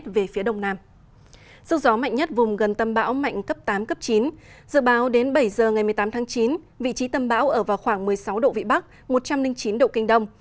vào hồi một mươi chín h tối nay vị trí tâm bão ở vào khoảng một mươi sáu độ vĩ bắc một trăm linh chín độ kinh đông